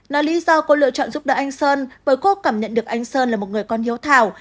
nói lý do cô lựa chọn giúp đỡ anh sơn bởi cô cảm nhận được anh sơn là một người con hiếu thảo